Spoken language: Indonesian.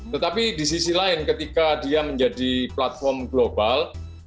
tetapi di sisi lain ketika dia menjadi platform global